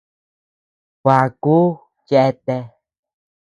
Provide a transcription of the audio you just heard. Bakuʼuu cheatea.